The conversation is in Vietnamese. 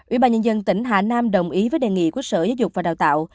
ủy ban nhân dân tỉnh hà nam đồng ý với đề nghị của sở giáo dục và đào tạo